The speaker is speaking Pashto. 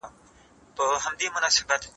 زه اوږده وخت د سبا لپاره د تمرينونو بشپړوم!!